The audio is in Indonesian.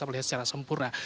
bisa melihat secara sempurna